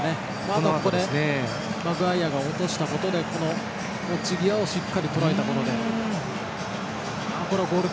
あとはマグワイアが落としたことで打ち際をしっかりとらえたゴール。